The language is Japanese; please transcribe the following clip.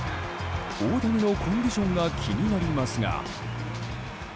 大谷のコンディションが気になりますが。